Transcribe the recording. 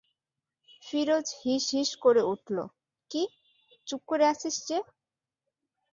ফিরোজ হিসহিস করে উঠল, কি, চুপ করে আছিস যে?